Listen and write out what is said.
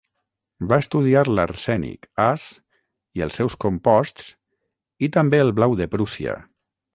Va estudiar l'arsènic, As, i els seus composts, i també el blau de Prússia.